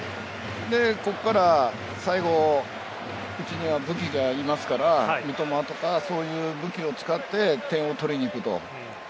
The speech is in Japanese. ここから最後うちには武器がありますから三笘とか、そういう武器を使って点を取りにいくと。